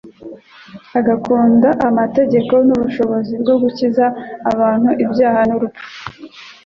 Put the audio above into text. agakunda amategeko n'ubushobozi bwo gukiza abantu ibyaha n'urupfu.